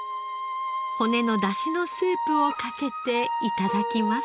骨の出汁のスープをかけて頂きます。